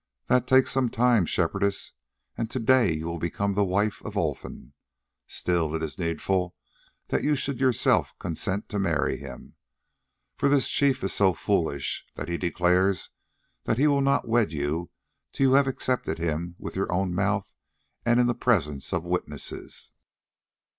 "That takes some time, Shepherdess, and to day you will become the wife of Olfan. Still it is needful that you should yourself consent to marry him, for this chief is so foolish that he declares that he will not wed you till you have accepted him with your own mouth and in the presence of witnesses."